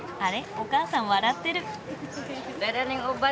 お母さん笑ってる。